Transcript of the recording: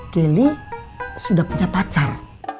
kelly sudah punya pacar